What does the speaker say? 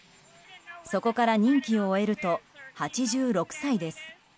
そこから任期を終えると８６歳です。